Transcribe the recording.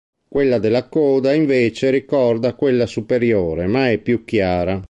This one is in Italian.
Quella della coda, invece, ricorda quella superiore, ma è più chiara.